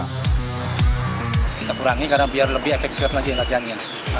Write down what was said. kita kurangi karena biar lebih efektif lagi latihannya